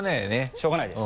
しょうがないです。